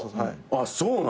あっそうなん？